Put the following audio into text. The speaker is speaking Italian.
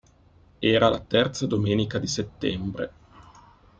Era la terza domenica di settembre.